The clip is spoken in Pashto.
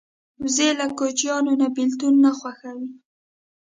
وزې له کوچنیانو نه بېلتون نه خوښوي